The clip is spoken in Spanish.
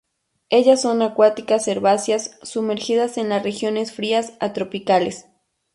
Ellas son acuáticas herbáceas, sumergidas en las regiones frías a tropicales.